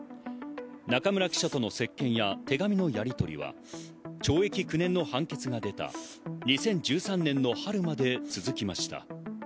中村記者との接見や手紙のやりとりは懲役９年の判決が出た２０１３年の春まで続きました。